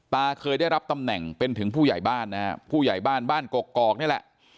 เคยได้รับตำแหน่งเป็นถึงผู้ใหญ่บ้านนะฮะผู้ใหญ่บ้านบ้านกกอกนี่แหละ